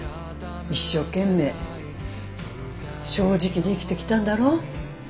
一生懸命正直に生きてきたんだろ？